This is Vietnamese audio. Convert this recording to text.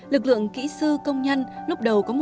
lực lượng kỹ sư công nhân lúc đầu có một sáu trăm linh người